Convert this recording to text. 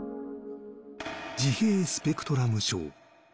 自閉スペクトラム症。